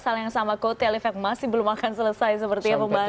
sama sama kote alifat masih belum akan selesai seperti yang membahas